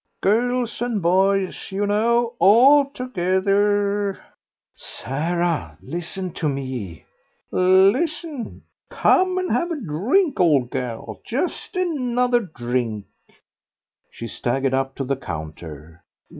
"Girls and boys, you know, all together." "Sarah, listen to me." "Listen! Come and have a drink, old gal, just another drink." She staggered up to the counter.